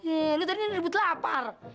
eh lo tadi udah ribut lapar